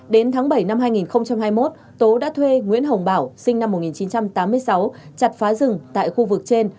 đến tháng bảy năm hai nghìn hai mươi một tố đã thuê nguyễn hồng bảo sinh năm một nghìn chín trăm tám mươi sáu chặt phá rừng tại khu vực trên